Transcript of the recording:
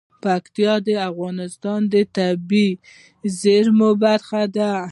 پکتیکا د افغانستان د طبیعي زیرمو برخه ده.